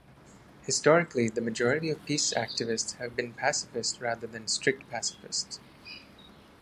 Historically, the majority of peace activists have been pacificists rather than strict pacifists.